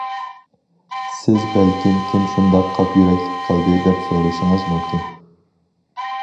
سىز بەلكىم كىم شۇنداق قاپ يۈرەكلىك قىلدى دەپ سورىشىڭىز مۇمكىن.